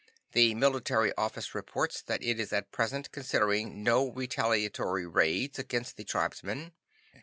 The Military Office reports that it is at present considering no retaliatory raids against the tribesmen.